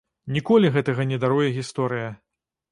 Ніколі гэтага не даруе гісторыя!